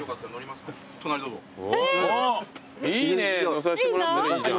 乗させてもらったらいいじゃん。